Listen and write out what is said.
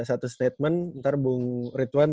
satu statement ntar bung ridwan